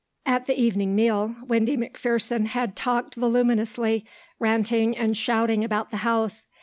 At the evening meal Windy McPherson had talked voluminously, ranting and shouting about the house.